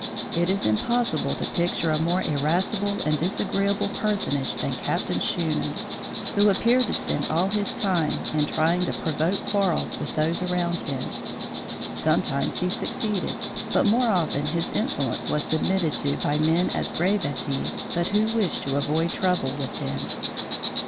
It is impossible to picture a more irascible and disagreeable personage than Captain Shunan, who appeared to spend all his spare time in trying to provoke quarrels with those around him. Sometimes he succeeded, but more often his insolence was submitted to by men as brave as he, but who wished to avoid trouble with him.